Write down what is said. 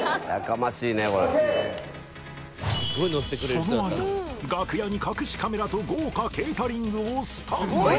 その間楽屋に隠しカメラと豪華ケータリングをスタンバイ